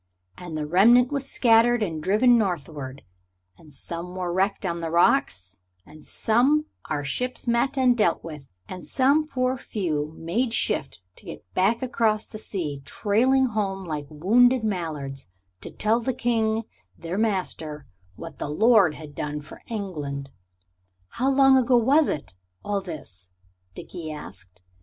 And the remnant was scattered and driven northward, and some were wrecked on the rocks, and some our ships met and dealt with, and some poor few made shift to get back across the sea, trailing home like wounded mallards, to tell the King their master what the Lord had done for England." "How long ago was it, all this?" Dickie asked.